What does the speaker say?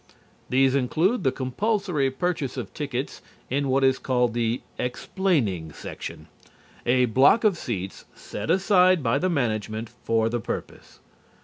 These include the compulsory purchase of tickets in what is called the "Explaining Section," a block of seats set aside by the management for the purpose.